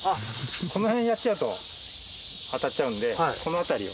このへんやっちゃうと当たっちゃうんでこのあたりを。